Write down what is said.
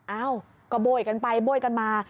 เอ้าก็โบ้ยกันไปโบ้ยกันมา